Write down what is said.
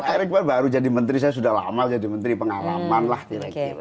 pak erick kan baru jadi menteri saya sudah lama jadi menteri pengalaman lah kira kira